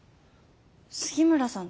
杉村さん